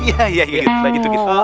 iya gitu gitu